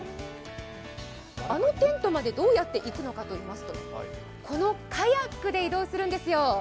あのテントまでどうやって行くのかといいますと、このカヤックで移動するんですよ。